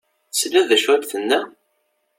Tesliḍ d acu i d-tenna?